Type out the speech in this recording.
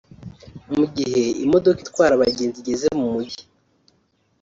Mu gihe imodoka itwara abagenzi igeze mu Mujyi